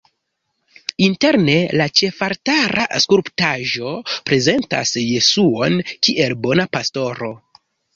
Interne la ĉefaltara skulptaĵo prezentas Jesuon kiel Bona Pastoro.